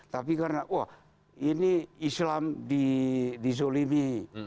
tapi karena wah ini islam dizolimi